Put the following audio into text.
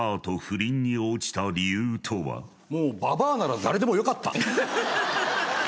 もうババアならだれでもよかった。